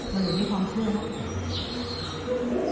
มันอยู่ในความค่อยหรอ